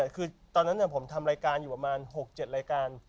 คือตอนนั้นผมทำรายการอยู่ประมาณ๖๗รายการ